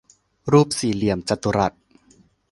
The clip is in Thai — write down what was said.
รูปสี่เหลี่ยมจัตุรัส